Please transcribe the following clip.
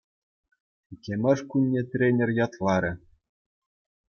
Иккӗмӗш кунне тренер ятларӗ.